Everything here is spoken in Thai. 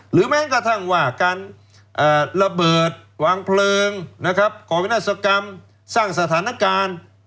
แม้กระทั่งว่าการระเบิดวางเพลิงนะครับก่อวินาศกรรมสร้างสถานการณ์